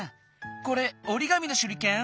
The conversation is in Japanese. これおりがみのしゅりけん？